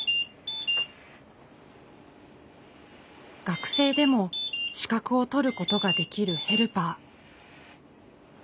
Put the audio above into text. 学生でも資格を取ることができるヘルパー。